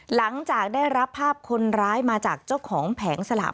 หลังจากได้รับภาพคนร้ายมาจากเจ้าของแผงสลาก